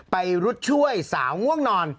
รุดช่วยสาวง่วงนอน